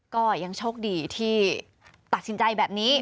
ก็ยังโชคดีที่ตัดสินใจแบบนี้